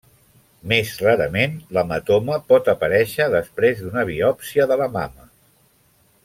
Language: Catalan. Més rarament, l'hematoma pot aparèixer després d'una biòpsia de la mama.